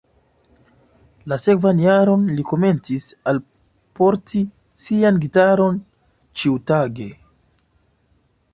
La sekvan jaron, li komencis alporti sian gitaron ĉiutage.